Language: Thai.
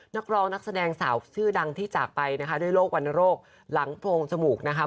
นักร้องนักแสดงสาวชื่อดังที่จากไปนะคะด้วยโรควรรณโรคหลังโพรงจมูกนะคะ